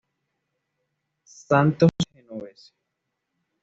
Santos Genovese.